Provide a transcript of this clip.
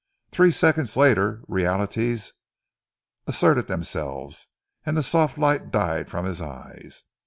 Three seconds later realities asserted themselves, and the soft light died from his eyes.